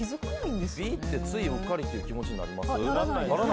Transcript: Ｂってついうっかりって気持ちになります？